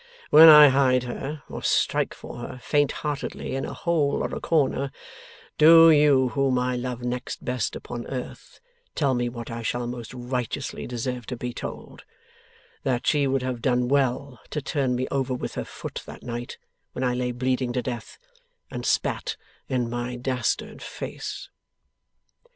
When I hide her, or strike for her, faint heartedly, in a hole or a corner, do you whom I love next best upon earth, tell me what I shall most righteously deserve to be told: that she would have done well to turn me over with her foot that night when I lay bleeding to death, and spat in my dastard face.